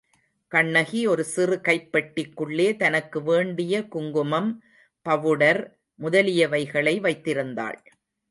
கண்ணகி ஒரு சிறு கைப்பெட்டிக்குள்ளே தனக்கு வேண்டிய குங்குமம், பவுடர் முதலியவைகளை வைத்திருந்தாள்.